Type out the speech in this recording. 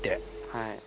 はい。